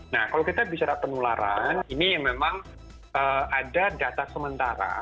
nah kalau kita bicara penularan ini memang ada data sementara